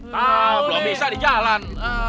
tahu belum bisa di jalan